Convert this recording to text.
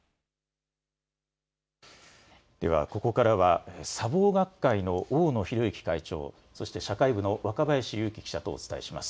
ではここからは砂防学会の大野宏之会長、そして社会部の若林勇希記者とお伝えします。